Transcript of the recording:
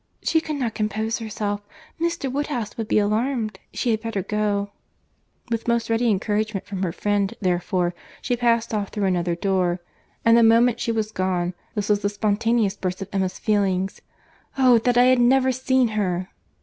"She could not compose herself— Mr. Woodhouse would be alarmed—she had better go;"—with most ready encouragement from her friend, therefore, she passed off through another door—and the moment she was gone, this was the spontaneous burst of Emma's feelings: "Oh God! that I had never seen her!"